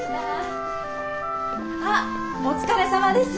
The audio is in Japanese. あっお疲れさまです。